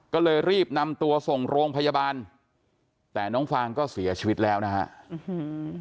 ก็เลยรีบนำตัวส่งโรงพยาบาลแต่น้องฟางก็เสียชีวิตแล้วนะฮะอื้อหือ